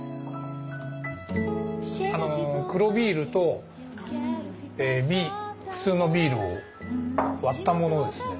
あの黒ビールと普通のビールを割ったものですね。